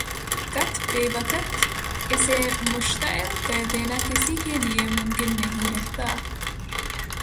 قت بے وقت اسے مشتعل کر دینا کسی کے لیے ممکن نہیں رہتا